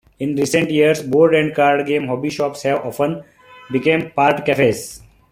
In recent years, board and card game hobby shops have often become part-cafes.